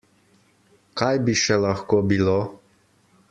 Kaj bi še lahko bilo?